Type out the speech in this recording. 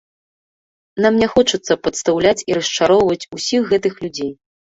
Нам не хочацца падстаўляць і расчароўваць ўсіх гэтых людзей.